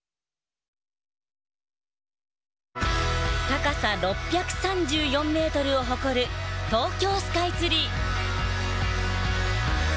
高さ６３４ｍを誇る東京スカイツリー。